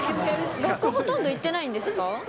学校ほとんど行ってないんですか？